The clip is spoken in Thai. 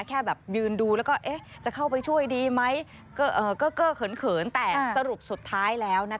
แค่แบบยืนดูแล้วก็จะเข้าไปช่วยดีมั้ย